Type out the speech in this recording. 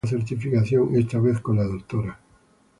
Culminó otra certificación esta vez con la Dra.